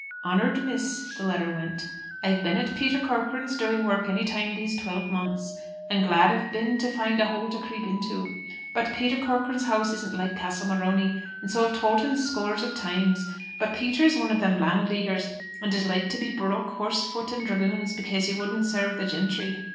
"Honoured Miss," the letter went, "I've been at Peter Corcoran's doing work any time these twelve months. And glad I've been to find a hole to creep into. But Peter Corcoran's house isn't like Castle Morony, and so I've told him scores of times. But Peter is one of them Landleaguers, and is like to be bruk', horse, foot, and dragoons, bekaise he wouldn't serve the gentry.